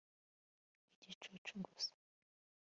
igicucu gusa